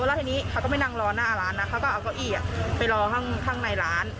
แล้วทีนี้เขาก็ไม่นั่งรอหน้าร้านนะเขาก็เอาเก้าอี้ไปรอข้างในร้าน